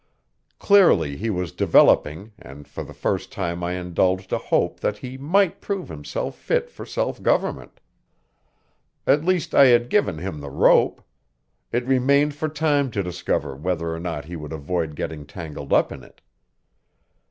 Clearly he was developing, and for the first time I indulged a hope that he might prove himself fit for self government. At least I had given him the rope; it remained for time to discover whether or not he would avoid getting tangled up in it.